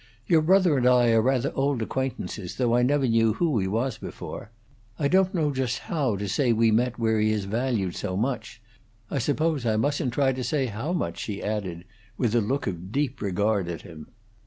Your brother and I are rather old acquaintances, though I never knew who he was before. I don't know just how to say we met where he is valued so much. I suppose I mustn't try to say how much," she added, with a look of deep regard at him.